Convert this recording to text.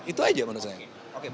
itu aja menurut saya